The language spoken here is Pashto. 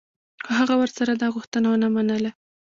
خو هغه ورسره دا غوښتنه و نه منله.